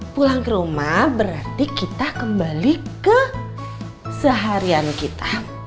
pulang ke rumah berarti kita kembali ke seharian kita